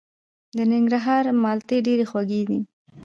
د ننګرهار مالټې ډیرې خوږې دي.